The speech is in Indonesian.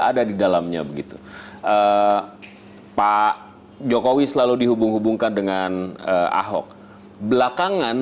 ada di dalamnya begitu pak jokowi selalu dihubung hubungkan dengan ahok belakangan